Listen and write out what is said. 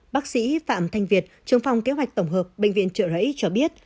bác sĩ phạm thanh việt trường phòng kế hoạch tổng hợp bệnh viện trợ rẫy cho biết